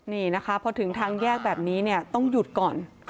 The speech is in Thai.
นี่นะคะเพราะถึงทางแยกแบบนี้ต้องหยุดก่อน